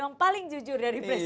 memang paling jujur dari presiden pks